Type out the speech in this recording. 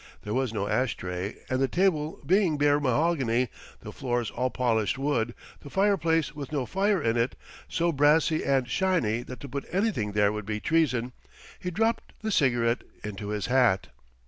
There was no ash tray, and the table being bare mahogany, the floor all polished wood, the fireplace with no fire in it, so brassy and shiny that to put anything there would be treason he dropped the cigarette into his hat.